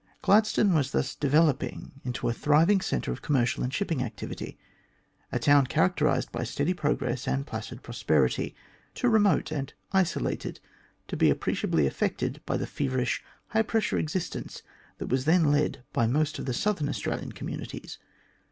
Gladstone was thus developing into a thriving centre of commercial and shipping activity, a town characterised by steady progress and placid prosperity, too remote and isolated to be appre ciably affected by the feverish, high pressure existence that was then led by most of the southern Australian com munities.